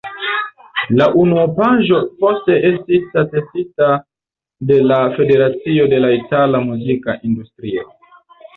La unuopaĵo poste estis atestita de la Federacio de la Itala Muzika Industrio.